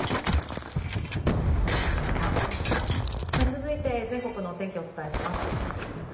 続いて全国のお天気お伝えします。